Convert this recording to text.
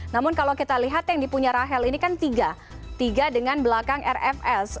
namun kalau kita lihat yang dipunya rahel ini kan tiga tiga dengan belakang rfs